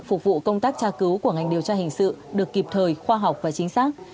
phục vụ công tác tra cứu của ngành điều tra hình sự được kịp thời khoa học và chính xác